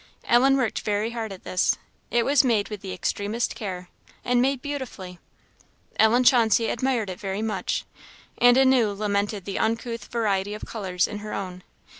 Ellen worked very hard at this; it was made with the extremest care, and made beautifully. Ellen Chauncey admired it very much, and anew lamented the uncouth variety of colours in her own.